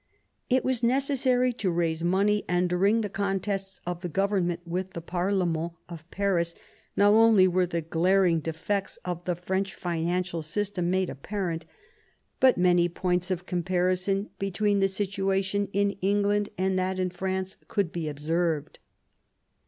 It was necessary to raise money, and during the contests of the government with the 2>arlement of Paris not only were the glaring defects of the French 12 MAZARIN OHAP. financial system made apparent, but many points of comparison between the situation in England and that in France could be observed.